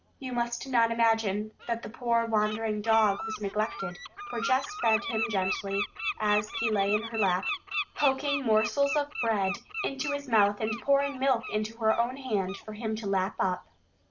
You must not imagine that the poor wandering dog was neglected, for Jess fed him gently, as he lay in her lap, poking morsels of bread into his mouth and pouring milk into her own hand for him to lap up.